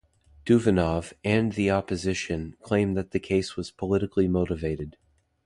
Duvanov, and the opposition, claim that the case was politically motivated.